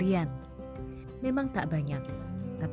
ya allah kasian banget